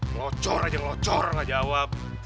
ngelocor aja ngelocor gak jawab